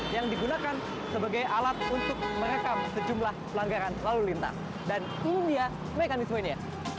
yang digunakan sebagai alat untuk merekam sejumlah pelanggaran lalu lintas dan kulmiah mekanismenya